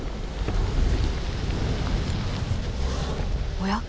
おや？